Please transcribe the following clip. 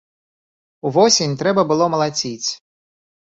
Увосень трэба было малаціць.